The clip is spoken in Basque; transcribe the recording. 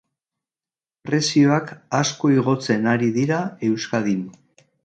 Prezioak asko igotzen ari dira Euskadin.